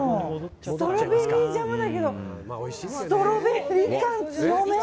ストロベリージャムだけどストロベリー感強め！